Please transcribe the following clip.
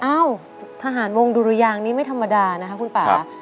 เอ้าทหารวงดุรยางนี้ไม่ธรรมดานะคะคุณป่า